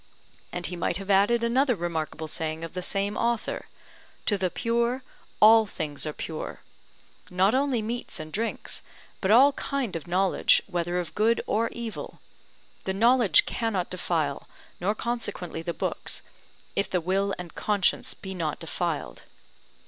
And he might have added another remarkable saying of the same author: TO THE PURE, ALL THINGS ARE PURE; not only meats and drinks, but all kind of knowledge whether of good or evil; the knowledge cannot defile, nor consequently the books, if the will and conscience be not defiled.